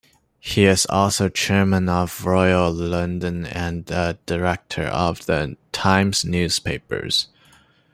He is also Chairman of Royal London and a director of the Times Newspapers.